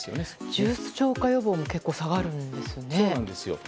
重症化予防も結構下がるんですよね。